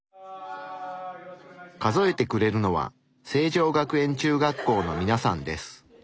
数えてくれるのは成城学園中学校のみなさんです。